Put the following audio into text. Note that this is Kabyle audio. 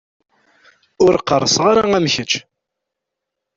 Ur qqerṣeɣ ara am kečč.